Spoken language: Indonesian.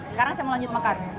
sekarang saya mau lanjut makan